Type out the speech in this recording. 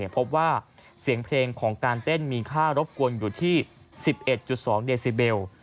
พบว่าเสียงเพลงของการเต้นมีค่ารบกวนอยู่ที่๑๑๒เดซิเบล